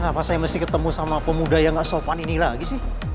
apa saya mesti ketemu sama pemuda yang gak sopan ini lagi sih